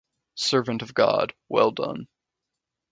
Servant of God - Well Done.